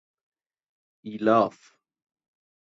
ایلاف